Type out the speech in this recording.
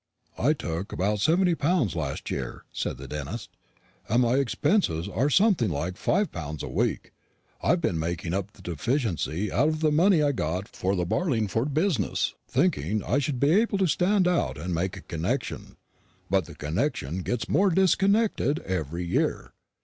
"I took about seventy pounds last year," said the dentist, "and my expenses are something like five pounds a week. I've been making up the deficiency out of the money I got for the Barlingford business, thinking I should be able to stand out and make a connection; but the connection gets more disconnected every year.